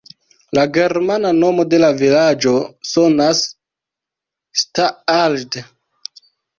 La germana nomo de la vilaĝo sonas "Staadl".